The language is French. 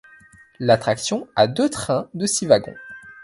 L'attraction a deux trains de six wagons.